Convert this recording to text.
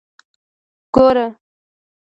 ګوره.